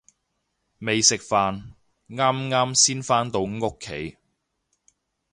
未食飯，啱啱先返到屋企